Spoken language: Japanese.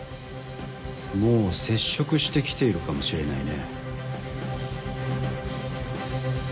もう接触してきているかもしれないね。